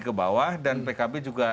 ke bawah dan pkb juga